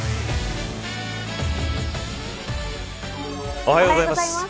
おはようございます。